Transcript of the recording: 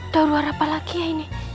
daruar apa lagi ya ini